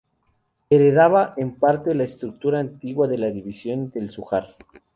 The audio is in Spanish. Heredaba en parte la estructura de la antigua División del Zújar.